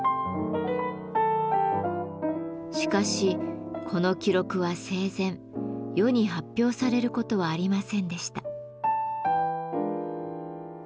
しかしこの記録は生前世に発表されることはありませんでした。